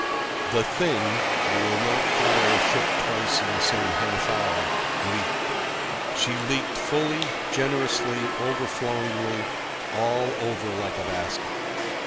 The thing (I will not call her a ship twice in the same half hour) leaked. She leaked fully, generously, overflowingly, all over—like a basket.